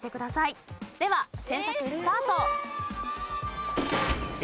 では選択スタート。